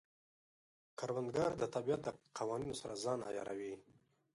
کروندګر د طبیعت د قوانینو سره ځان عیاروي